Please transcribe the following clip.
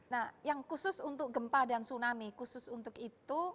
nah yang khusus untuk gempa dan tsunami khusus untuk itu